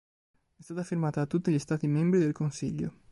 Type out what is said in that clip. È stata firmata da tutti gli stati membri del Consiglio.